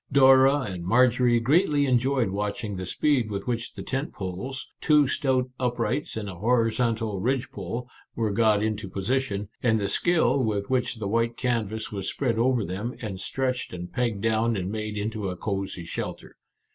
Dora and Marjorie greatly enjoyed watching the speed with which the tent poles ■— two stout uprights and a horizontal ridge pole — were got into position, and the skill with which 52 Our Little Canadian Cousin the white canvas was spread over them and stretched and pegged down and made into a cosy shelter.